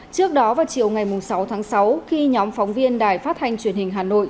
trước đó vào chiều ngày sáu tháng sáu khi nhóm phóng viên đài phát thanh truyền hình hà nội